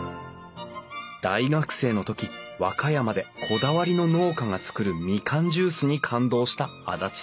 大学生の時和歌山でこだわりの農家が作るみかんジュースに感動した安達さん。